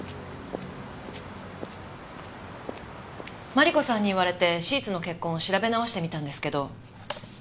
マリコさんに言われてシーツの血痕を調べ直してみたんですけど。